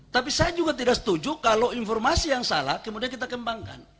tapi saya juga tidak setuju kalau informasi yang salah kemudian kita kembangkan